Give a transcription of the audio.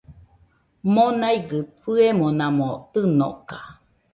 Monaigɨ fɨemonamo tɨnoka